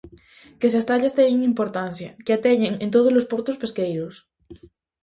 Que se as tallas teñen importancia, que a teñan en tódolos portos pesqueiros.